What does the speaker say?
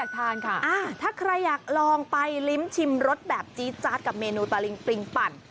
ทานค่ะถ้าใครอยากลองไปลิ้มชิมรสแบบจี๊ดจ๊าดกับเมนูตะลิงปริงปั่น